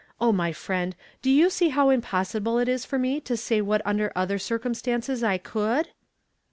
O my friend! Do you see how impossible it is for me to sav what under other circumstances 1 could